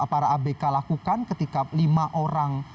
para abk lakukan ketika lima orang